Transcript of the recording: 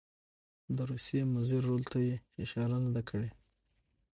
د روسیې مضر رول ته یې اشاره نه ده کړې.